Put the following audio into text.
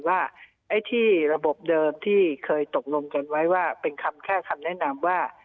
ว่าไอ้ที่ระบบเดิมที่เคยตกลงกันไว้ว่าเป็นคำแค่คำแนะนำว่า